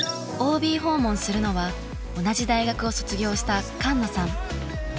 ＯＢ訪問するのは同じ大学を卒業した菅野さん。